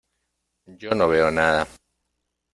Yo no veo nada.